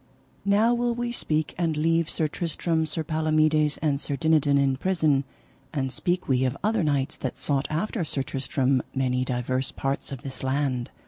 Now will we speak, and leave Sir Tristram, Sir Palomides, and Sir Dinadan in prison, and speak we of other knights that sought after Sir Tristram many divers parts of this land.